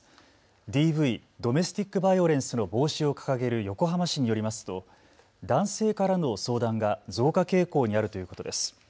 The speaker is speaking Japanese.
ＤＶ・ドメスティック・バイオレンスの防止を掲げる横浜市によりますと男性からの相談が増加傾向にあるということです。